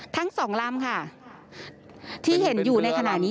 ทั้งสองลำค่ะที่เห็นอยู่ในขณะนี้